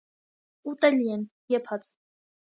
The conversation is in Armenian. Ուտելի են (եփած)։